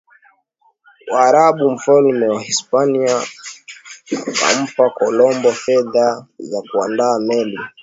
Waarabu Mfalme wa Hispania akampa Kolombo fedha za kuandaa meli